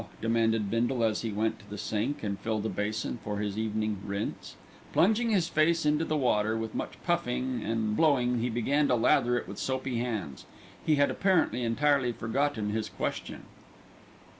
demanded Bindle, as he went to the sink and filled a basin for his evening "rinse." Plunging his face into the water, with much puffing and blowing he began to lather it with soapy hands. He had apparently entirely forgotten his question.